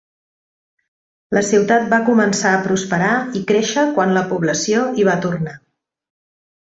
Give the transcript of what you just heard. La ciutat va començar a prosperar i créixer quan la població hi va tornar.